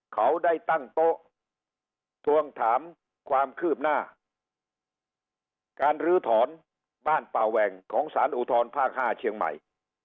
เขาได้ตั้งโต๊ะทวงถามความคืบหน้าการลื้อถอนบ้านป่าแหว่งของสารอุทธรภาค๕เชียงใหม่